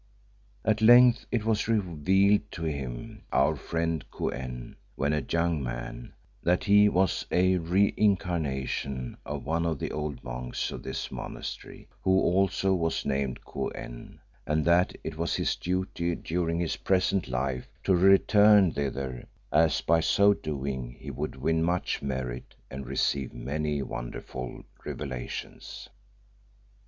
At length it was revealed to him, our friend Kou en, when a young man, that he was a re incarnation of one of the old monks of this monastery, who also was named Kou en, and that it was his duty during his present life to return thither, as by so doing he would win much merit and receive many wonderful revelations.